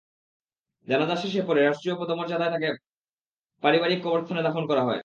জানাজা শেষে পরে রাষ্ট্রীয় মর্যাদায় তাঁকে পারিবারিক কবরস্থানে দাফন করা হয়।